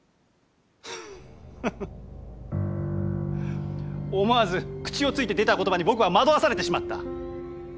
フフフッ思わず口をついて出た言葉に僕は惑わされてしまった。